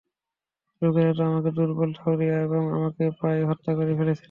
লোকেরা তো আমাকে দুর্বল ঠাউরিয়েছিল এবং আমাকে প্রায় হত্যা করেই ফেলেছিল।